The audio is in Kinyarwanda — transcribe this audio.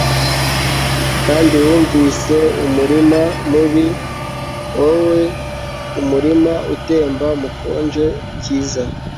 kandi wunvise umurima mubi, woed umurima utemba mukonje kiza